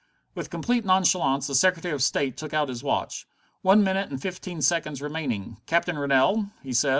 With complete nonchalance the Secretary of State took out his watch. "One minute and fifteen seconds remaining. Captain Rennell," he said.